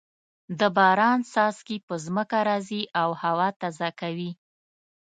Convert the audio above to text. د باران څاڅکي په ځمکه راځې او هوا تازه کوي.